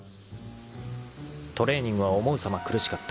［トレーニングは思うさま苦しかった］